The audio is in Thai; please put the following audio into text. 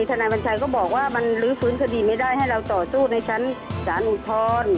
นายวัญชัยก็บอกว่ามันลื้อฟื้นคดีไม่ได้ให้เราต่อสู้ในชั้นศาลอุทธรณ์